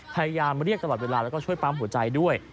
พยายามเรียกตลอดเวลาแล้วก็ช่วยปั๊มหัวใจด้วย